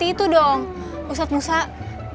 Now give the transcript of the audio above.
itu dong usap muzaus